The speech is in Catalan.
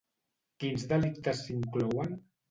Quins delictes s'hi inclouen?